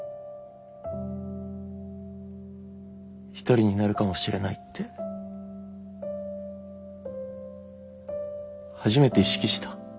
１人になるかもしれないって初めて意識した。